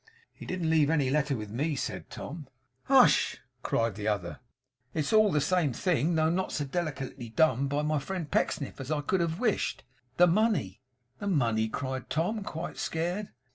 'He didn't leave any letter with me,' said Tom. 'Hush!' cried the other. 'It's all the same thing, though not so delicately done by my friend Pecksniff as I could have wished. The money.' 'The money!' cried Tom quite scared.